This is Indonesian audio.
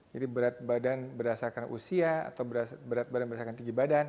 jadi berat badan berdasarkan usia atau berat badan berdasarkan tinggi badan